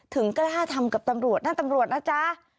ถึงกล้าทำกับตำรวจนั่นตำรวจนะจ๊ะ